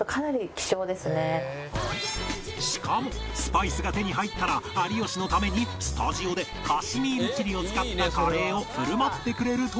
しかもスパイスが手に入ったら有吉のためにスタジオでカシミールチリを使ったカレーを振る舞ってくれるという